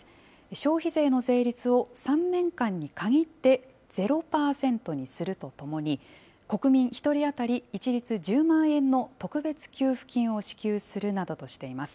消費税の税率を３年間に限って、ゼロ％にするとともに、国民１人当たり一律１０万円の特別給付金を支給するなどとしています。